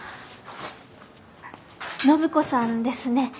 暢子さんですね？